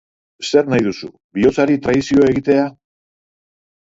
Zer nahi duzu, bihotzari traizio egitea?